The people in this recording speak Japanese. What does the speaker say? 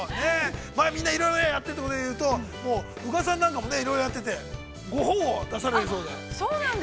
まあ、みんないろいろやってるということでいうと宇賀さんなんかもねいろいろやっててご本を出されるそうで。